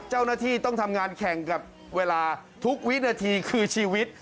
เจ้าหน้าที่ต้องทำงานแข่งกับเวลาทุกวินาทีคือชีวิต